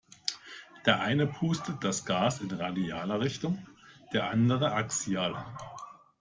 Der eine pustet das Gas in radialer Richtung, der andere axial.